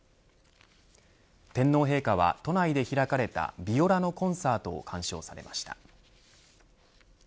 天皇陛下は都内で開かれたビオラのコンサートを鑑賞されました。